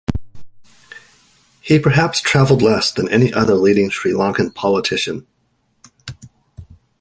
He perhaps travelled less than any other leading Sri Lankan politician.